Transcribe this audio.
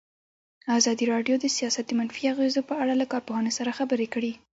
ازادي راډیو د سیاست د منفي اغېزو په اړه له کارپوهانو سره خبرې کړي.